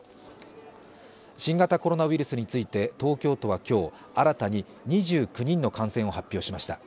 新型コロナウイルスについて東京都は今日、新たに２９人の感染を発表しました。